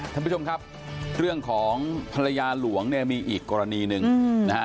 ท่านผู้ชมครับเรื่องของภรรยาหลวงเนี่ยมีอีกกรณีหนึ่งนะฮะ